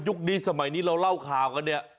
นี้สมัยนี้เราเล่าข่าวกันเนี่ย